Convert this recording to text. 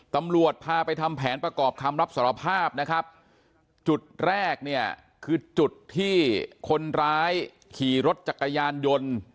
ตำรวจพาไปทำแผนประกอบคำรับสารภาพนะครับจุดแรกเนี่ยคือจุดที่คนร้ายขี่รถจักรยานยนต์